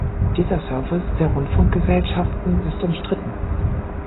Dieser Service der Rundfunkgesellschaften ist umstritten.